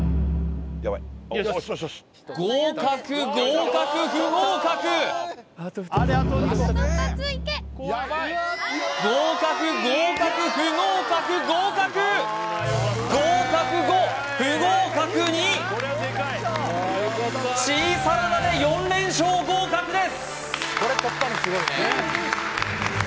合格合格不合格合格合格不合格合格合格５不合格２シーサラダで４連勝合格です